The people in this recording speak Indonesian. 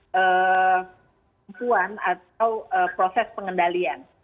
kemampuan atau proses pengendalian